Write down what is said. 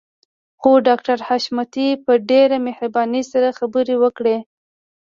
خو ډاکټر حشمتي په ډېره مهربانۍ سره خبرې وکړې.